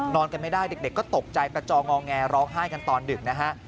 กันไม่ได้เด็กก็ตกใจกระจองงอแงร้องไห้กันตอนดึกนะฮะ